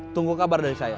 tunggu kabar dari saya